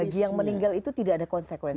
bagi yang meninggal itu tidak ada konsekuensi